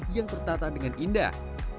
yang tertata dengan indah